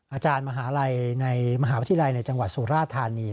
อาจารย์มหาวิทยาลัยในจังหวัดสุราธารณี